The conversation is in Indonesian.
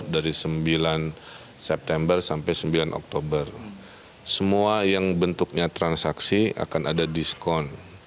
dari sembilan september sampai sembilan oktober semua yang bentuknya transaksi akan ada diskon